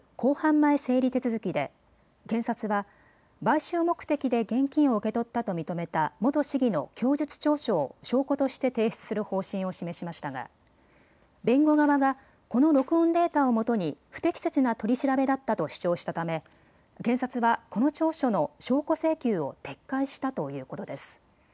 前整理手続きで検察は買収目的で現金を受け取ったと認めた元市議の供述調書を証拠として提出する方針を示しましたが弁護側がこの録音データをもとに不適切な取り調べだったと主張したため検察はこの調書の証拠請求を撤回したということです。